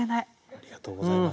ありがとうございます。